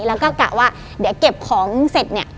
แล้วก็กะว่าเดี๋ยวเก็บของเสร็จเนี่ย